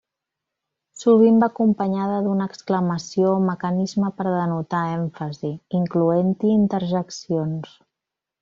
Sovint va acompanyada d'una exclamació o mecanisme per denotar èmfasi, incloent-hi interjeccions.